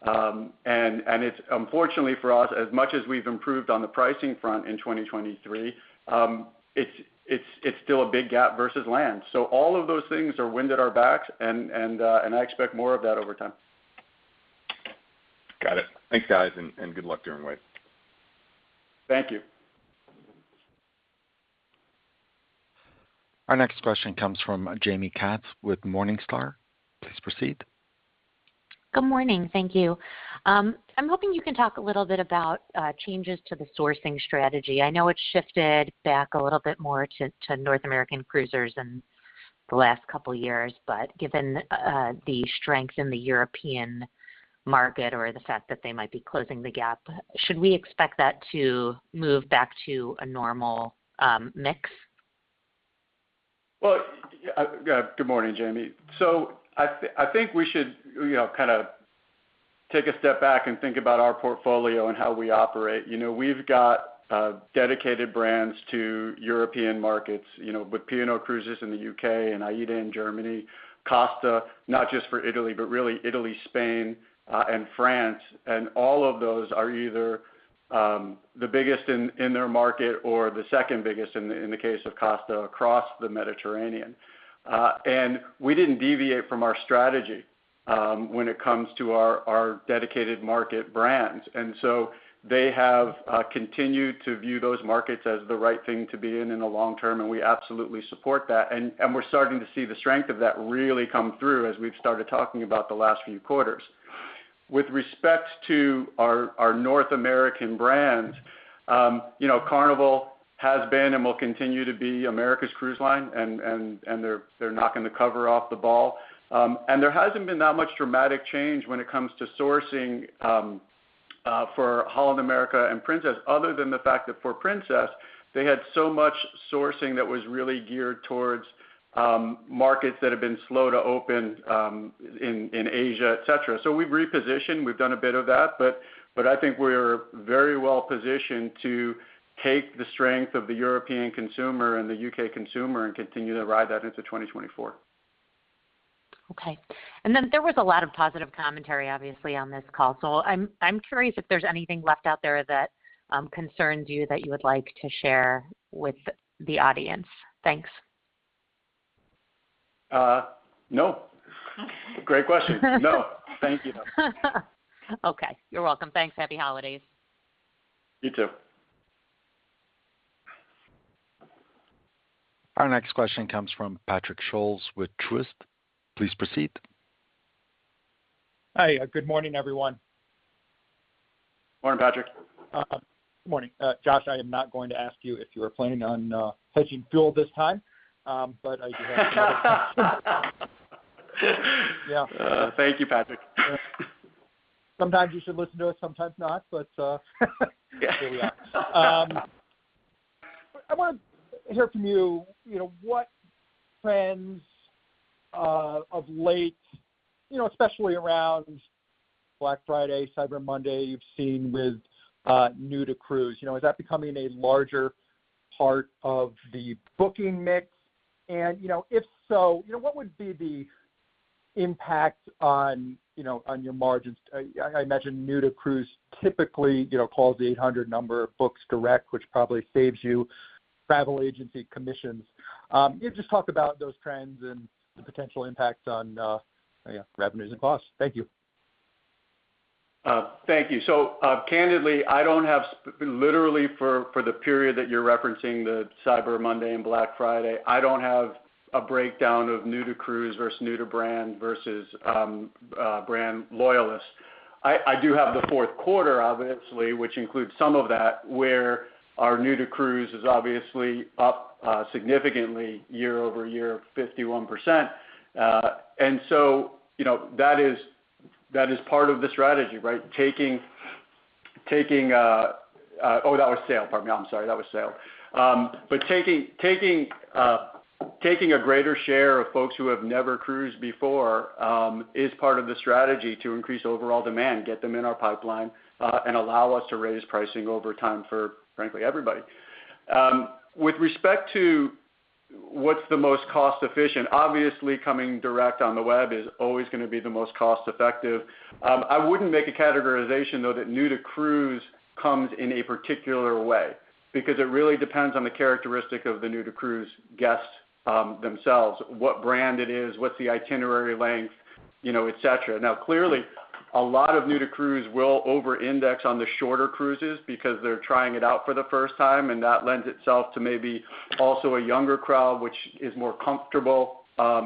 S2: And unfortunately for us, as much as we've improved on the pricing front in 2023, it's still a big gap versus land. So all of those things are wind at our backs, and I expect more of that over time.
S7: Got it. Thanks, guys, and good luck during Wave.
S2: Thank you.
S5: Our next question comes from Jaime Katz with Morningstar. Please proceed.
S8: Good morning. Thank you. I'm hoping you can talk a little bit about changes to the sourcing strategy. I know it's shifted back a little bit more to North American cruisers in the last couple of years, but given the strength in the European market or the fact that they might be closing the gap, should we expect that to move back to a normal mix?
S2: Well, good morning, Jaime. I think we should kind of take a step back and think about our portfolio and how we operate. We've got dedicated brands to European markets with P&O Cruises in the UK and AIDA in Germany, Costa, not just for Italy, but really Italy, Spain, and France. All of those are either the biggest in their market or the second biggest in the case of Costa across the Mediterranean. We didn't deviate from our strategy when it comes to our dedicated market brands. They have continued to view those markets as the right thing to be in in the long term, and we absolutely support that. We're starting to see the strength of that really come through as we've started talking about the last few quarters. With respect to our North American brands, Carnival has been and will continue to be America's cruise line, and they're knocking the cover off the ball. And there hasn't been that much dramatic change when it comes to sourcing for Holland America and Princess, other than the fact that for Princess, they had so much sourcing that was really geared towards markets that have been slow to open in Asia, etc. So we've repositioned. We've done a bit of that, but I think we're very well positioned to take the strength of the European consumer and the UK consumer and continue to ride that into 2024.
S8: Okay. And then there was a lot of positive commentary, obviously, on this call. So I'm curious if there's anything left out there that concerns you that you would like to share with the audience. Thanks.
S2: No. Great question. No. Thank you.
S8: Okay. You're welcome. Thanks. Happy holidays.
S2: You too.
S5: Our next question comes from Patrick Scholes with Truist. Please proceed.
S9: Hi. Good morning, everyone.
S2: Morning, Patrick.
S9: Good morning. Josh, I am not going to ask you if you are planning on hedging fuel this time, but I do have a question. Yeah.
S2: Thank you, Patrick.
S9: Sometimes you should listen to us. Sometimes not, but here we are. I want to hear from you what trends of late, especially around Black Friday, Cyber Monday, you've seen with new-to-cruise. Is that becoming a larger part of the booking mix? And if so, what would be the impact on your margins? I imagine new-to-cruise typically calls the 800 number, books direct, which probably saves you travel agency commissions. Just talk about those trends and the potential impacts on revenues and costs. Thank you.
S2: Thank you. So candidly, I don't have literally for the period that you're referencing, the Cyber Monday and Black Friday, I don't have a breakdown of new-to-cruise versus new-to-brand versus brand loyalists. I do have the fourth quarter, obviously, which includes some of that, where our new-to-cruise is obviously up significantly year-over-year, 51%. And so that is part of the strategy, right? Oh, that was sale. Pardon me. I'm sorry. That was sale. But taking a greater share of folks who have never cruised before is part of the strategy to increase overall demand, get them in our pipeline, and allow us to raise pricing over time for, frankly, everybody. With respect to what's the most cost-efficient, obviously, coming direct on the web is always going to be the most cost-effective. I wouldn't make a categorization, though, that new-to-cruise comes in a particular way because it really depends on the characteristic of the new-to-cruise guests themselves, what brand it is, what's the itinerary length, etc. Now, clearly, a lot of new-to-cruise will over-index on the shorter cruises because they're trying it out for the first time, and that lends itself to maybe also a younger crowd, which is more comfortable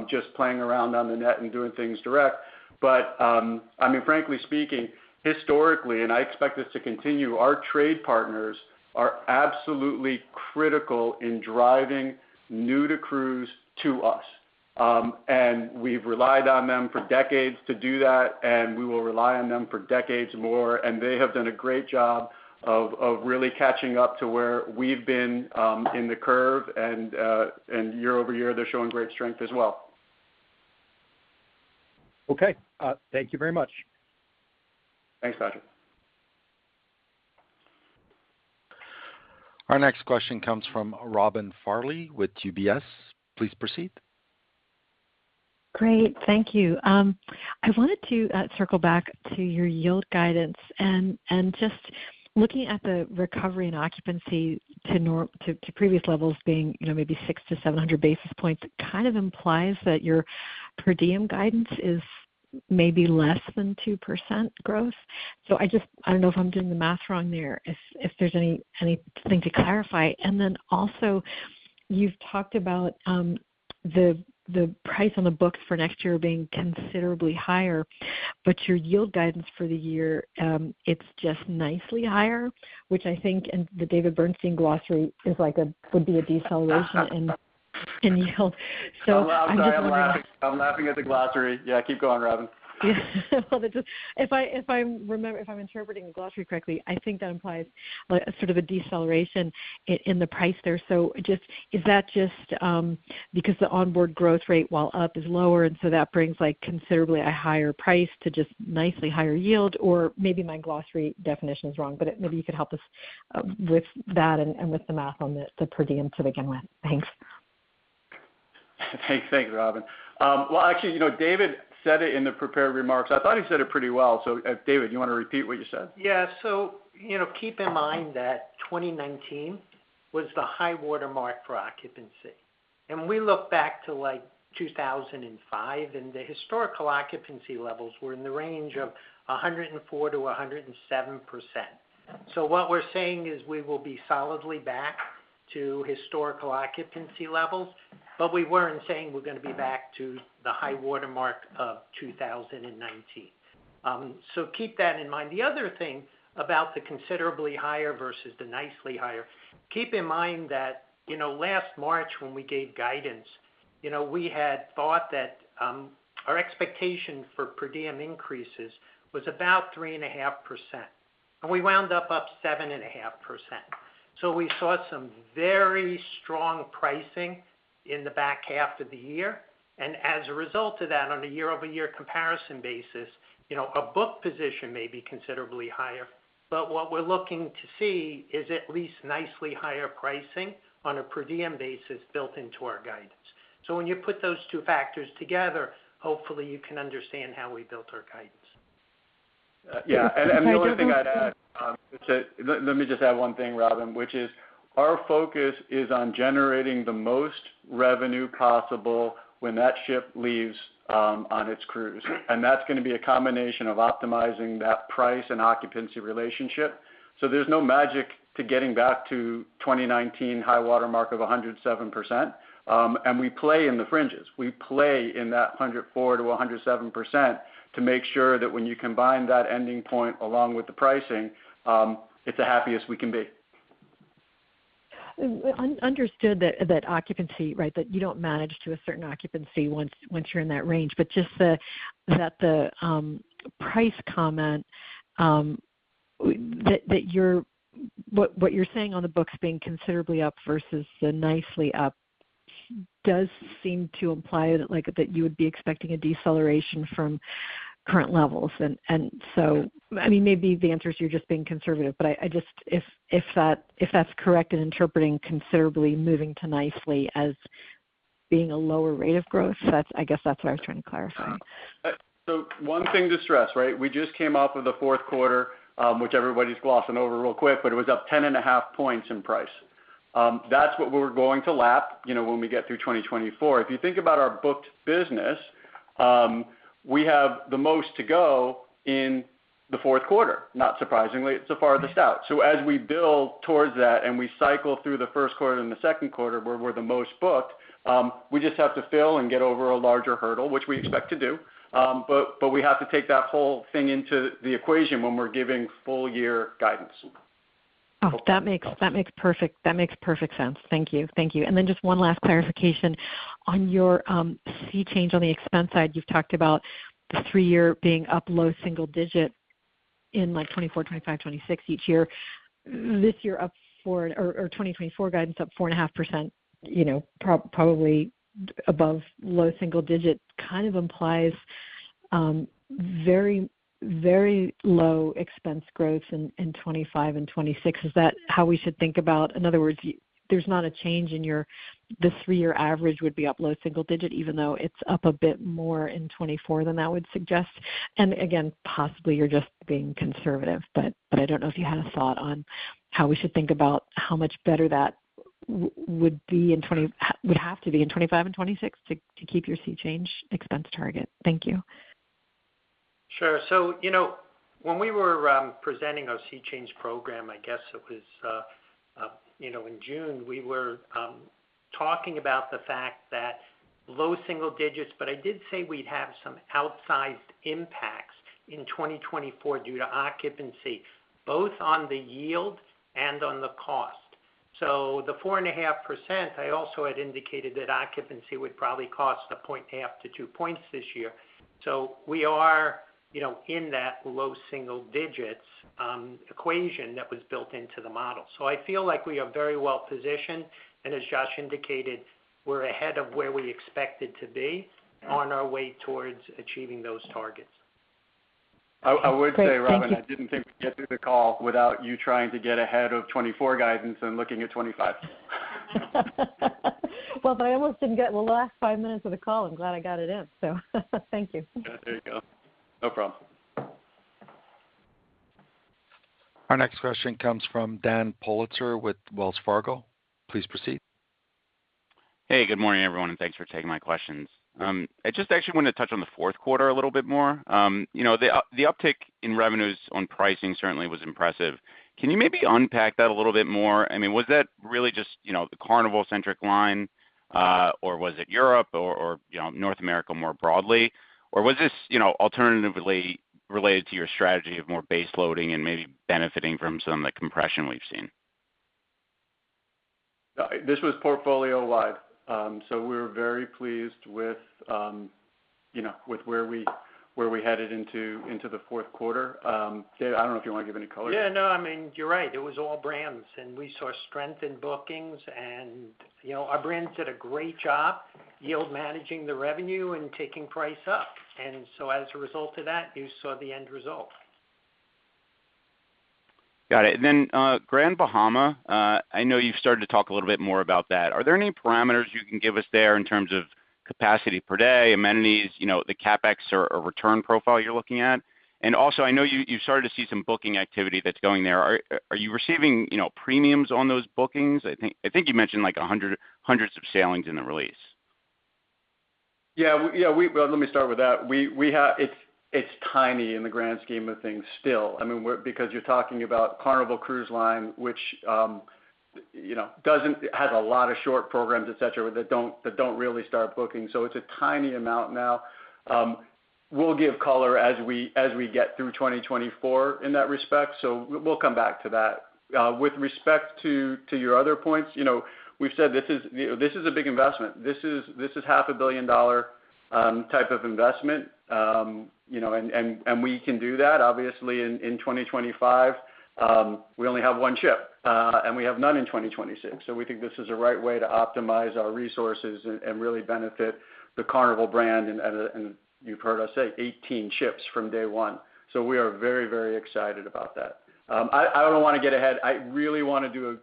S2: just playing around on the net and doing things direct. But I mean, frankly speaking, historically, and I expect this to continue, our trade partners are absolutely critical in driving new-to-cruise to us. We've relied on them for decades to do that, and we will rely on them for decades more. They have done a great job of really catching up to where we've been in the curve, and year over year, they're showing great strength as well.
S9: Okay. Thank you very much.
S2: Thanks, Patrick.
S5: Our next question comes from Robin Farley with UBS. Please proceed.
S10: Great. Thank you. I wanted to circle back to your yield guidance. Just looking at the recovery in occupancy to previous levels being maybe 6-700 basis points, it kind of implies that your per diem guidance is maybe less than 2% growth. So I don't know if I'm doing the math wrong there, if there's anything to clarify. And then also, you've talked about the price on the books for next year being considerably higher, but your yield guidance for the year, it's just nicely higher, which I think the David Bernstein glossary would be a deceleration in yield. So I'm just wondering.
S2: I'm laughing at the glossary. Yeah. Keep going, Robin.
S10: Yeah. Well, if I'm interpreting the glossary correctly, I think that implies sort of a deceleration in the price there. So is that just because the onboard growth rate, while up, is lower, and so that brings considerably a higher price to just nicely higher yield? Or maybe my glossary definition is wrong, but maybe you could help us with that and with the math on the per diem to begin with. Thanks.
S2: Thanks, Robin. Well, actually, David said it in the prepared remarks. I thought he said it pretty well. So, David, you want to repeat what you said?
S3: Yeah. So keep in mind that 2019 was the high watermark for occupancy. And we look back to 2005, and the historical occupancy levels were in the range of 104%-107%. So what we're saying is we will be solidly back to historical occupancy levels, but we weren't saying we're going to be back to the high watermark of 2019. So keep that in mind. The other thing about the considerably higher versus the nicely higher, keep in mind that last March, when we gave guidance, we had thought that our expectation for per diem increases was about 3.5%. And we wound up up 7.5%. So we saw some very strong pricing in the back half of the year. And as a result of that, on a year-over-year comparison basis, a book position may be considerably higher. But what we're looking to see is at least nicely higher pricing on a per diem basis built into our guidance. So when you put those two factors together, hopefully, you can understand how we built our guidance.
S2: Yeah. And the other thing I'd add, let me just add one thing, Robin, which is our focus is on generating the most revenue possible when that ship leaves on its cruise. And that's going to be a combination of optimizing that price and occupancy relationship. So there's no magic to getting back to 2019 high watermark of 107%. And we play in the fringes. We play in that 104%-107% to make sure that when you combine that ending point along with the pricing, it's the happiest we can be.
S10: Understood that occupancy, right, that you don't manage to a certain occupancy once you're in that range. But just that the price comment, what you're saying on the books being considerably up versus the nicely up, does seem to imply that you would be expecting a deceleration from current levels. So, I mean, maybe the answer is you're just being conservative, but if that's correct in interpreting considerably moving to nicely as being a lower rate of growth, I guess that's what I was trying to clarify.
S2: So one thing to stress, right? We just came off of the fourth quarter, which everybody's glossing over real quick, but it was up 10.5 points in price. That's what we're going to lap when we get through 2024. If you think about our booked business, we have the most to go in the fourth quarter. Not surprisingly, it's the farthest out. So as we build towards that and we cycle through the first quarter and the second quarter, where we're the most booked, we just have to fill and get over a larger hurdle, which we expect to do. But we have to take that whole thing into the equation when we're giving full-year guidance.
S10: Oh, that makes perfect sense. Thank you. Thank you. Then just one last clarification. On your SEA Change on the expense side, you've talked about the three-year being up low single digit in 2024, 2025, 2026 each year. This year, up for or 2024 guidance, up 4.5%, probably above low single digit kind of implies very low expense growth in 2025 and 2026. Is that how we should think about? In other words, there's not a change in your three-year average would be up low single digit, even though it's up a bit more in 2024 than that would suggest. And again, possibly, you're just being conservative, but I don't know if you had a thought on how we should think about how much better that would be in would have to be in 2025 and 2026 to keep your SEA Change expense target. Thank you.
S3: Sure. So when we were presenting our SEA Change program, I guess it was in June, we were talking about the fact that low single digits, but I did say we'd have some outsized impacts in 2024 due to occupancy, both on the yield and on the cost. So the 4.5%, I also had indicated that occupancy would probably cost 1.5-two points this year. So we are in that low single digits equation that was built into the model. So I feel like we are very well positioned. And as Josh indicated, we're ahead of where we expected to be on our way towards achieving those targets.
S2: I would say, Robin, I didn't think we'd get through the call without you trying to get ahead of 2024 guidance and looking at 2025.
S10: Well, but I almost didn't get the last five minutes of the call. I'm glad I got it in, so. Thank you.
S2: There you go. No problem.
S5: Our next question comes from Dan Politzer with Wells Fargo. Please proceed.
S11: Hey. Good morning, everyone, and thanks for taking my questions. I just actually wanted to touch on the fourth quarter a little bit more. The uptick in revenues on pricing certainly was impressive. Can you maybe unpack that a little bit more? I mean, was that really just the Carnival-centric line, or was it Europe or North America more broadly? Or was this alternatively related to your strategy of more base-loading and maybe benefiting from some of the compression we've seen?
S2: This was portfolio-wide. So we were very pleased with where we headed into the fourth quarter. David, I don't know if you want to give any colors?
S3: Yeah. No, I mean, you're right. It was all brands. We saw strength in bookings. Our brands did a great job yield managing the revenue and taking price up. So as a result of that, you saw the end result.
S11: Got it. Then Grand Bahama, I know you've started to talk a little bit more about that. Are there any parameters you can give us there in terms of capacity per day, amenities, the CapEx or return profile you're looking at? And also, I know you've started to see some booking activity that's going there. Are you receiving premiums on those bookings? I think you mentioned hundreds of sailings in the release.
S2: Yeah. Well, let me start with that. It's tiny in the grand scheme of things still. I mean, because you're talking about Carnival Cruise Line, which has a lot of short programs, etc., that don't really start booking. So it's a tiny amount now. We'll give color as we get through 2024 in that respect. So we'll come back to that. With respect to your other points, we've said this is a big investment. This is $500 million type of investment. And we can do that. Obviously, in 2025, we only have one ship, and we have none in 2026. So we think this is the right way to optimize our resources and really benefit the Carnival brand. And you've heard us say 18 ships from day one. So we are very, very excited about that. I don't want to get ahead. I really want to do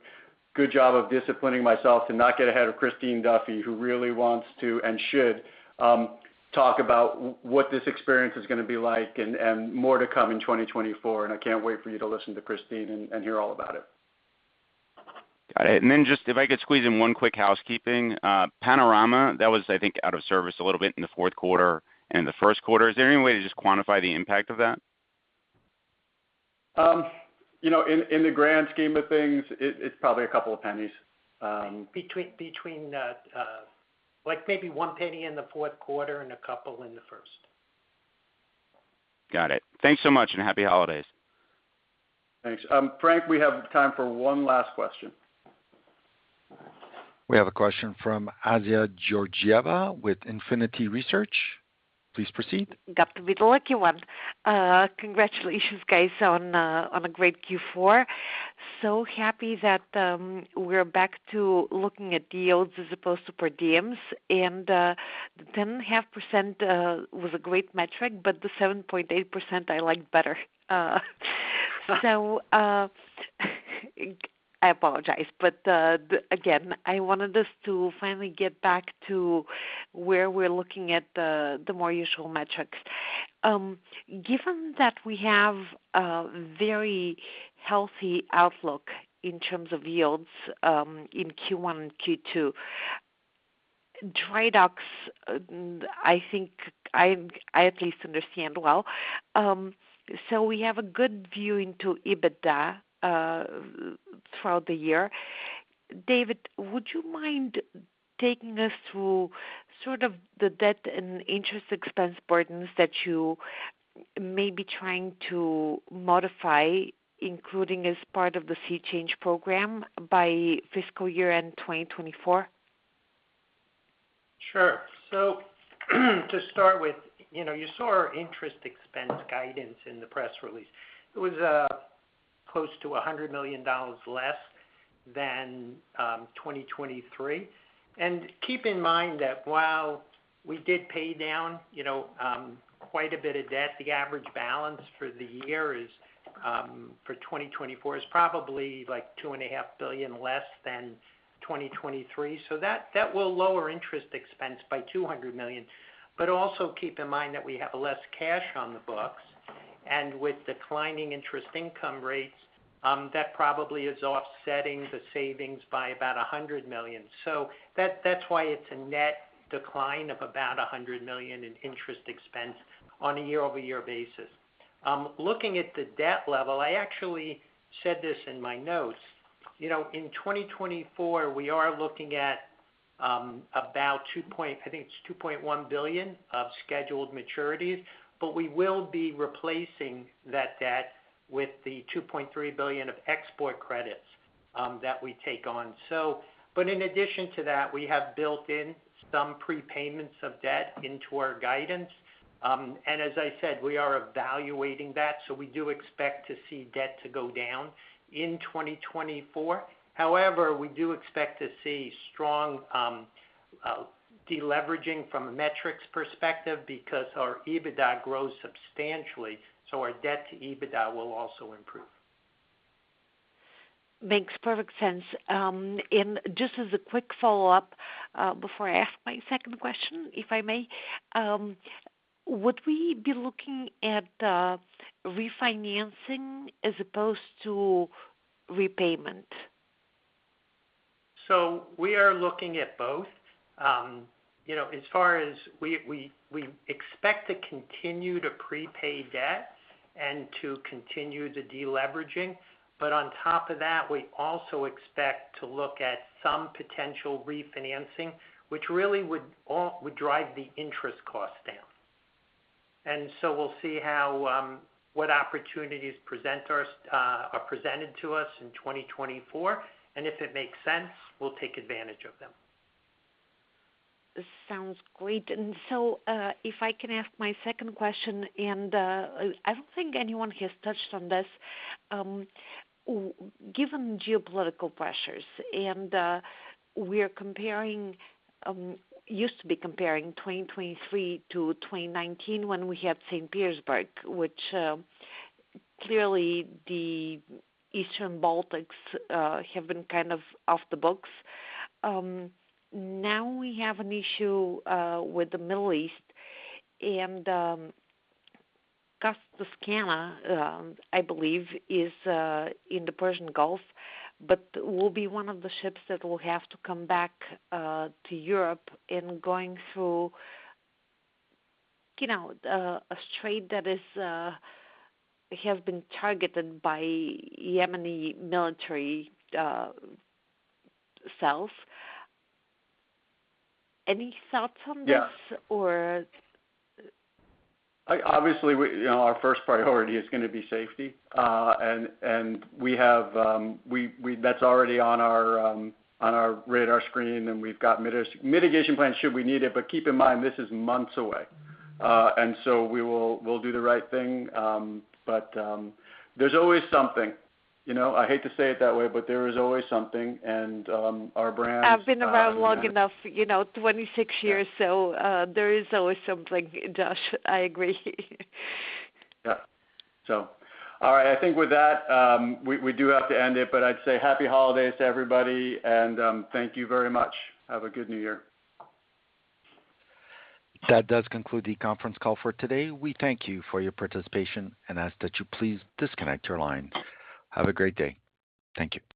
S2: a good job of disciplining myself to not get ahead of Christine Duffy, who really wants to and should talk about what this experience is going to be like and more to come in 2024. I can't wait for you to listen to Christine and hear all about it.
S11: Got it. And then just if I could squeeze in one quick housekeeping, Panorama, that was, I think, out of service a little bit in the fourth quarter and the first quarter. Is there any way to just quantify the impact of that?
S2: In the grand scheme of things, it's probably a couple of pennies.
S3: Between maybe $0.01 in the fourth quarter and $0.02 in the first.
S11: Got it. Thanks so much and happy holidays.
S2: Thanks. Frank, we have time for one last question.
S5: We have a question from Assia Georgieva with Infinity Research. Please proceed.
S12: Got to be the lucky one. Congratulations, guys, on a great Q4. So happy that we're back to looking at yields as opposed to per diems. And the 10.5% was a great metric, but the 7.8% I liked better. So I apologize. But again, I wanted us to finally get back to where we're looking at the more usual metrics. Given that we have a very healthy outlook in terms of yields in Q1 and Q2, trade-offs, I think I at least understand well. So we have a good view into EBITDA throughout the year. David, would you mind taking us through sort of the debt and interest expense burdens that you may be trying to modify, including as part of the SEA Change program, by fiscal year-end 2024?
S3: Sure. So to start with, you saw our interest expense guidance in the press release. It was close to $100 million less than 2023. And keep in mind that while we did pay down quite a bit of debt, the average balance for the year for 2024 is probably like $2.5 billion less than 2023. So that will lower interest expense by $200 million. But also keep in mind that we have less cash on the books. And with declining interest income rates, that probably is offsetting the savings by about $100 million. So that's why it's a net decline of about $100 million in interest expense on a year-over-year basis. Looking at the debt level, I actually said this in my notes. In 2024, we are looking at about $2.1 billion of scheduled maturities. But we will be replacing that debt with the $2.3 billion of export credits that we take on. But in addition to that, we have built in some prepayments of debt into our guidance. And as I said, we are evaluating that. So we do expect to see debt to go down in 2024. However, we do expect to see strong deleveraging from a metrics perspective because our EBITDA grows substantially. So our debt to EBITDA will also improve.
S12: Makes perfect sense. And just as a quick follow-up before I ask my second question, if I may, would we be looking at refinancing as opposed to repayment?
S3: We are looking at both. As far as we expect to continue to prepay debt and to continue the deleveraging. On top of that, we also expect to look at some potential refinancing, which really would drive the interest costs down. We'll see what opportunities are presented to us in 2024. If it makes sense, we'll take advantage of them.
S12: Sounds great. So if I can ask my second question, I don't think anyone has touched on this, given geopolitical pressures, and we're comparing—used to be comparing 2023-2019 when we had St. Petersburg, which clearly the Eastern Baltics have been kind of off the books. Now we have an issue with the Middle East. And Costa Toscana, I believe, is in the Persian Gulf, but will be one of the ships that will have to come back to Europe and going through a strait that has been targeted by Yemeni military cells. Any thoughts on this, or?
S2: Obviously, our first priority is going to be safety. That's already on our radar screen. We've got mitigation plans should we need it. But keep in mind, this is months away. So we'll do the right thing. But there's always something. I hate to say it that way, but there is always something. Our brands.
S12: I've been around long enough, 26 years. So there is always something, Josh. I agree.
S2: Yeah. So. All right. I think with that, we do have to end it. But I'd say happy holidays to everybody. And thank you very much. Have a good new year.
S5: That does conclude the conference call for today. We thank you for your participation and ask that you please disconnect your line. Have a great day. Thank you.